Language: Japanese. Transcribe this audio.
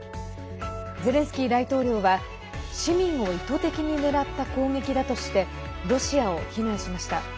ゼレンスキー大統領は、市民を意図的に狙った攻撃だとしてロシアを非難しました。